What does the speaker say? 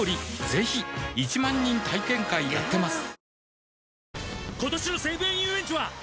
ぜひ１万人体験会やってますはぁ。